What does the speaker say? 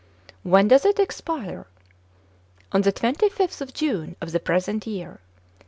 " When does it expire ?" "On the 25th of June of the present year.